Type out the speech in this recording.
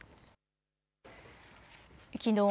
きのう